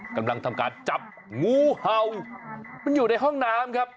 กำลังทำการจับงูเห่ามันอยู่ในห้องน้ำครับ